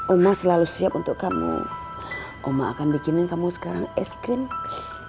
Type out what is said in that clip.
oma selalu siap untuk kamu oma akan bikinin kamu sekarang es krim